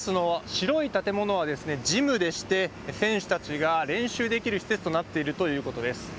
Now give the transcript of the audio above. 白い建物はジムでして、選手たちが練習できる施設となっているということです。